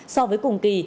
so với cùng kỳ